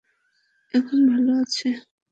এখন ভালো আছে।